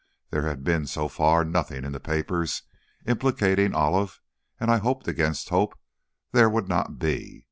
There had been, so far, nothing in the papers implicating Olive, and I hoped against hope there would not be.